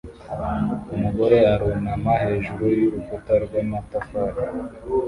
Umugore arunama hejuru y'urukuta rw'amatafari